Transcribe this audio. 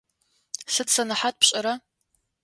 Сыд сэнэхьат пшӏэра?